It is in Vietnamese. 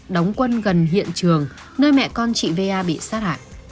đóng quân gần hiện trường nơi mẹ con chị v a bị sát hại